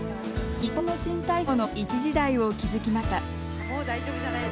日本の新体操の一時代を築きました。